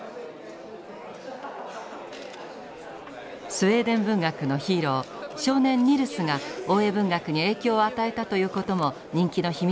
スウェーデン文学のヒーロー少年ニルスが大江文学に影響を与えたということも人気の秘密だったのかもしれません。